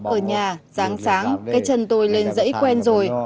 ở nhà sáng cái chân tôi lên dãy quen rồi